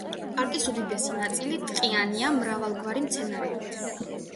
პარკის უდიდესი ნაწილი ტყიანია, მრავალგვარი მცენარეულობით.